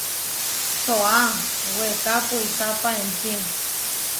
Tóa, weeká puisápa enčí.